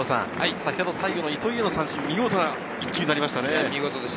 最後の糸井への三振、見事な１球になりましたね。